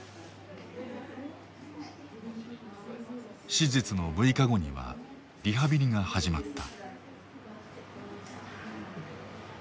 手術の６日後にはリハビリが始まった。